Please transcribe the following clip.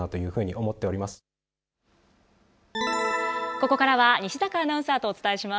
ここからは西阪アナウンサーとお伝えします。